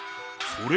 それ！